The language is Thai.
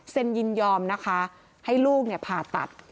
เซ็นยินยอมนะคะให้ลูกเนี่ยผ่าตัด